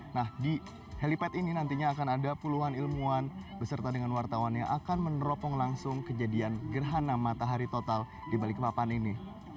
nah di helipad ini nantinya akan ada puluhan ilmuwan beserta dengan wartawan yang akan meneropong langsung kejadian gerhana matahari total di balikpapan ini